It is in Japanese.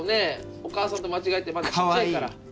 お母さんと間違えてまだちっちゃいから。